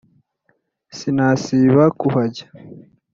sinasiba kuhajya.